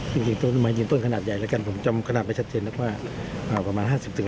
ซึ่งจริงก็ต้องมีการรับสารกันต้นป่าไม้ดีกว่า